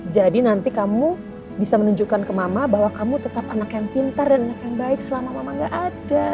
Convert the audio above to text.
jadi nanti kamu bisa menunjukkan ke mama bahwa kamu tetap anak yang pintar dan anak yang baik selama mama nggak ada